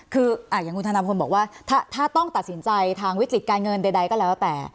คืออย่างคุณธนพลบอกว่าถ้าต้องตัดสินใจทางวิกฤติการเงินใดก็แล้วแต่